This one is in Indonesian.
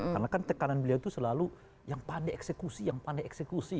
karena kan tekanan beliau itu selalu yang pandai eksekusi yang pandai eksekusi